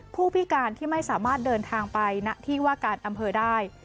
ผู้พิการที่ไม่สามารถเดินทางไปณที่ว่าการอำเภอได้